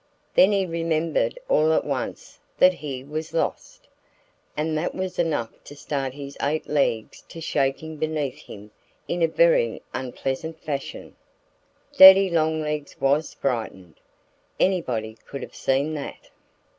Then he remembered all at once that he was lost. And that was enough to start his eight legs to shaking beneath him in a very unpleasant fashion. Daddy Longlegs was frightened. Anybody could have seen that.